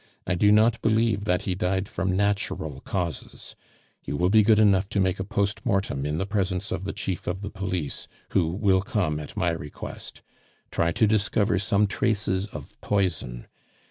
I do not believe that he died from natural causes; you will be good enough to make a post mortem in the presence of the Chief of the Police, who will come at my request. Try to discover some traces of poison.